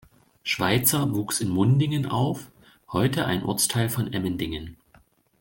Schweizer wuchs in Mundingen auf, heute ein Ortsteil von Emmendingen.